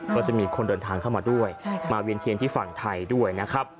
ก็จะมีคนเดินทางเข้ามาด้วยมาเวียนเทียนที่ฝั่งไทยด้วยนะครับ